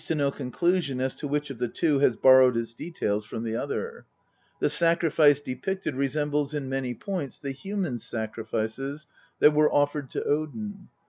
xxx THE POETIC EDDA. to no conclusion as to which of the two has borrowed its details from the other. The sacrifice depicted resembles in many points the human sacrifices that were offered to Odin.